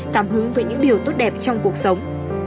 cảm hứng về những điều tốt đẹp trong cuộc sống